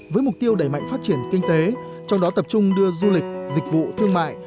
với mục tiêu đẩy mạnh phát triển kinh tế trong đó tập trung đưa du lịch dịch vụ thương mại